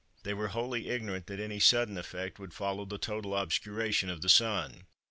They were wholly ignorant that any sudden effect would follow the total obscuration of the Sun.